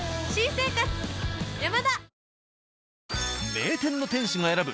名店の店主が選ぶ